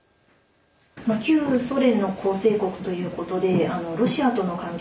旧ソ連の構成国ということでロシアとの関係